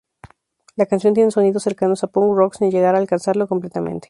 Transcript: La canción tiene sonidos cercanos al punk rock sin llegar a alcanzarlo completamente.